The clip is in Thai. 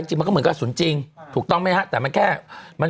จริงมันก็เหมือนกระสุนจริงถูกต้องไหมฮะแต่มันแค่มัน